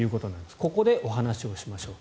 ここでお話をしましょうと。